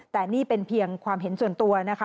แต่นี่เป็นเพียงความเห็นส่วนตัวนะคะ